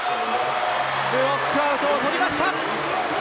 ブロックアウトを取りました！